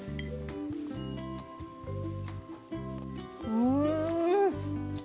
うん！